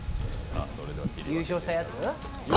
優勝したやつ？